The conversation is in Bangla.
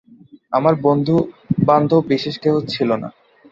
আমাদের বন্ধু-বান্ধব বিশেষ কেহ ছিল না।